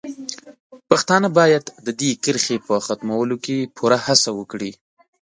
پښتانه باید د دې کرښې په ختمولو کې پوره هڅه وکړي.